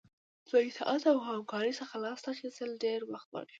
له اطاعت او همکارۍ څخه لاس اخیستل ډیر وخت غواړي.